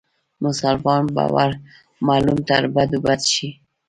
مسلمان به ور معلوم تر بدو بد شي